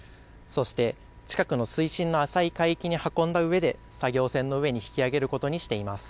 そして近くの水深の浅い海域に運んだうえで、作業船の上に引き揚げることにしています。